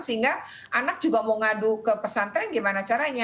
sehingga anak juga mau ngadu ke pesantren gimana caranya